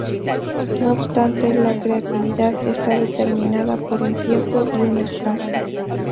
No obstante, la creatividad está determinada por un tiempo y un espacio.